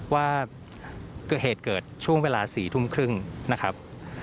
ว่าเกิดเหตุเกิดช่วงเวลา๔ทุ่มครึ่งนะครับ